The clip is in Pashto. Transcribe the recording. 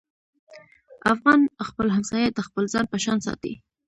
افغان خپل همسایه د خپل ځان په شان ساتي.